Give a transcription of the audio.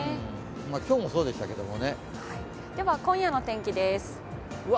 今日もそうでしたけどもね。